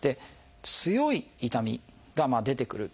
強い痛みが出てくる。